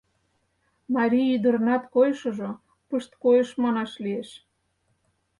Марий ӱдырынат койышыжо — пышткойыш, манаш лиеш.